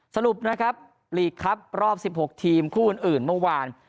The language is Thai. สรุปนะครับลีกครับรอบ๑๖ทีมคู่อื่นเมื่อวาน